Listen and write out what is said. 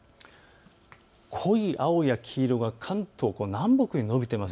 濃い青や黄色が関東南北に延びています。